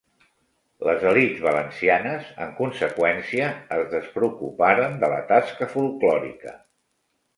Les elits valencianes, en conseqüència, es despreocuparen de la tasca folklòrica.